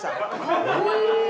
かっこいい！